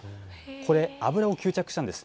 これ、油を吸着したんです。